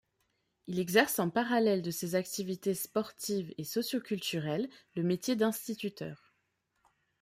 Il exerce en parallèle de ses activités sportives et socio-culturelles le métier d'instituteur.